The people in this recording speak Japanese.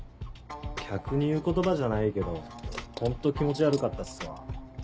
客に言う言葉じゃないけどホント気持ち悪かったっすわ。